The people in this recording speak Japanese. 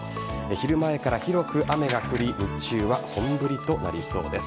昼前から広く雨が降り日中は本降りとなりそうです。